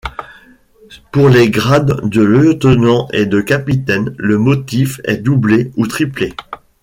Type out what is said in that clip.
Pour les grades de lieutenant et de capitaine, le motif est doublé, ou triplé.